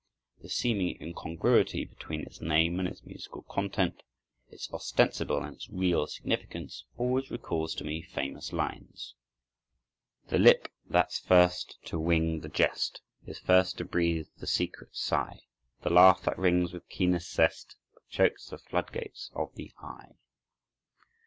The seeming incongruity between its name and its musical content, its ostensible and its real significance, always recalls to me famous lines: "The lip that's first to wing the jest Is first to breathe the secret sigh; The laugh that rings with keenest zest But chokes the flood gates of the eye."